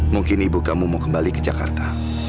mungkin ibu kamu mau kembali ke jakarta